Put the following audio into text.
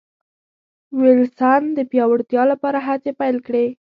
وېلسن د پیاوړتیا لپاره هڅې پیل کړې.